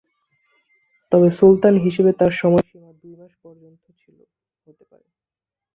তবে সুলতান হিসেবে তার সময়সীমা দুই মাস পর্যন্ত ছিল হতে পারে।